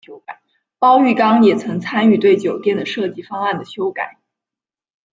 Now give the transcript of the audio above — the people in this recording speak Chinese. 包玉刚也曾参与对酒店的设计方案的修改。